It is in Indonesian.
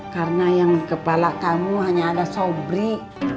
karena yang di kepala kamu hanya ada sobri